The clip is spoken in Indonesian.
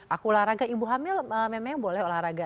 aku olahraga ibu hamil memang boleh olahraga